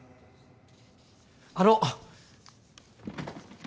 あの！